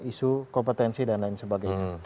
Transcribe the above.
isu kompetensi dan lain sebagainya